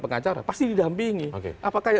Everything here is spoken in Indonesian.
pengacara pasti didampingi apakah